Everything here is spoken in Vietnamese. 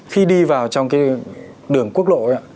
khi đi vào trong cái đường quốc lộ ấy ạ